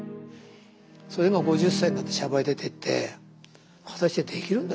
それが５０歳になってシャバへ出てって果たしてできるんだろうかっていう。